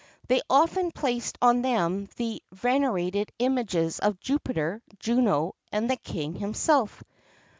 They often placed on them the venerated images of Jupiter, Juno, and their king himself.